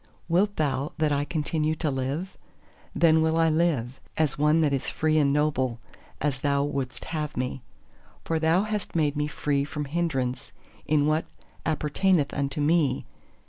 Wilt thou that I continue to live? Then will I live, as one that is free and noble, as Thou wouldst have me. For Thou hast made me free from hindrance in what appertaineth unto me.